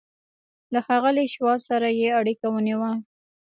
له ښاغلي شواب سره یې اړیکه ونیوه